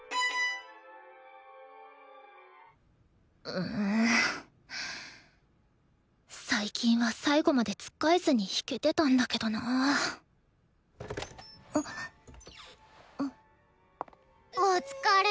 うん最近は最後までつっかえずに弾けてたんだけどなお疲れ。